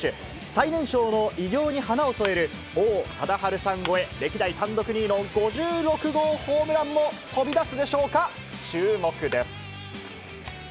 最年少の偉業に花を添える王貞治さん超え、歴代単独２位の５６号ホームランも飛び出すでしょうか、注目です。